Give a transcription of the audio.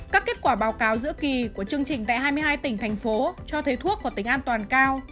các kết quả báo cáo giữa kỳ của chương trình tại hai mươi hai tỉnh thành phố cho thấy thuốc có tính an toàn cao